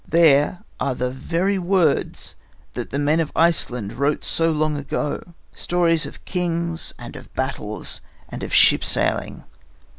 There are the very words that the men of Iceland wrote so long ago stories of kings and of battles and of ship sailing.